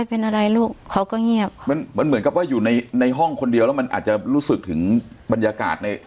เป็นอะไรลูกเขาก็เงียบมันมันเหมือนกับว่าอยู่ในในห้องคนเดียวแล้วมันอาจจะรู้สึกถึงบรรยากาศใน